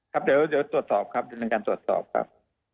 ครับเดี๋ยวตรวจสอบครับดำเนินการตรวจสอบครับ